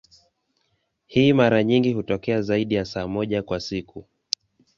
Hii mara nyingi hutokea zaidi ya saa moja kwa siku.